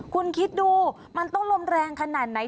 คุณคิดดูมันต้องลมแรงขนาดไหน